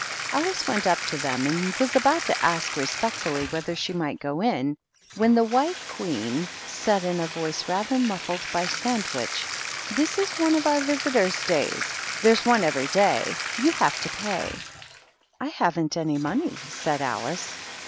Alice went up to them, and was about to ask respectfully whether she might go in, when the White Queen said, in a THE KINDERGARTEN. 199 voice rather muffled by sandwich, "This is one of our visitors' days; there's one every day. You have to pay." "I haven't any money," said Alice.